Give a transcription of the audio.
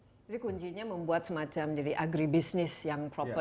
jadi kuncinya membuat semacam agribusiness yang proper